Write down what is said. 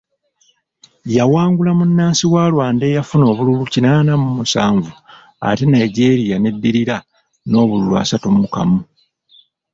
Yawangula munnansi wa Rwanda eyafuna obululu kinaana mu musanvu ate Nigeria n'eddirira n'obululu asatu mu kamu.